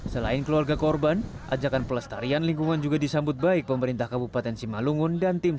selain keluarga korban ajakan pelestarian lingkungan juga disambut baik pemerintah kabupaten simalungun dan tim